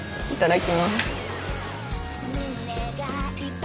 いただきます。